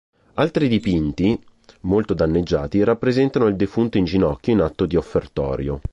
Altri dipinti, molto danneggiati, rappresentano il defunto in ginocchio in atto di offertorio.